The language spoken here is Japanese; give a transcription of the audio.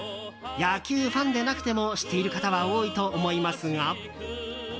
野球ファンでなくても知っている方は多いと思いますが。